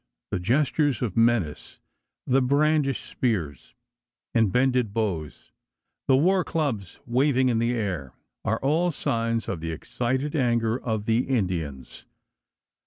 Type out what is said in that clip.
The gestures of menace the brandished spears, and bended bows the war clubs waving in the air are all signs of the excited anger of the Indians.